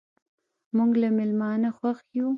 موږ له میلمانه خوښ یو.